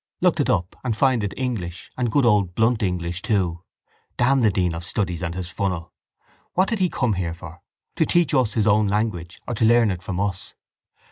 I looked it up and find it English and good old blunt English too. Damn the dean of studies and his funnel! What did he come here for to teach us his own language or to learn it from us.